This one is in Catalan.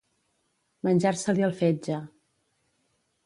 Menjar-se-li el fetge.